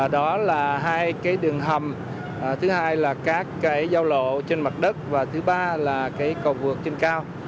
đó là hai cái đường hầm thứ hai là các cái giao lộ trên mặt đất và thứ ba là cái cầu vượt trên cao